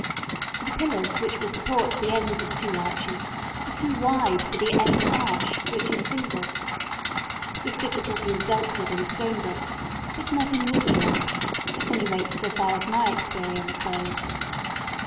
The pillars which will support the ends of two arches are too wide for the end arch, which is single. This difficulty is dealt with in stone bricks, but not in wooden ones; at any rate so far as my experience goes.